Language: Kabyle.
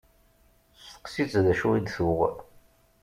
Steqsi-tt d acu i d-tuɣ.